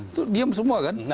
itu diam semua kan